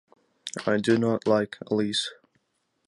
I do not like Alice.